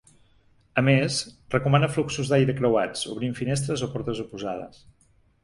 A més, recomana fluxos d’aire creuats, obrint finestres o portes oposades.